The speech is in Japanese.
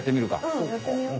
うんやってみよう。